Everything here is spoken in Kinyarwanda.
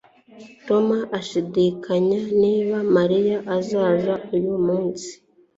Tom ashidikanya niba Mariya azaza uyu munsi